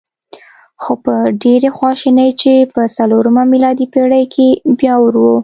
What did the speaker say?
خو په ډېرې خواشینۍ چې په څلورمه میلادي پېړۍ کې بیا اور و.